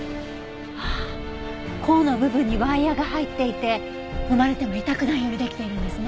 ああ甲の部分にワイヤが入っていて踏まれても痛くないようにできているんですね。